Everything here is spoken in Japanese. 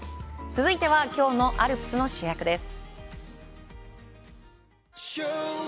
続いてはきょうのアルプスの主役です。